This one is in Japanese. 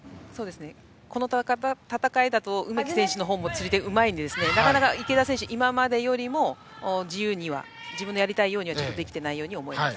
この戦いだと梅木選手の方も釣り手がうまいのでなかなか池田選手は今までよりも自由には自分のやりたいようにはできていないように思います。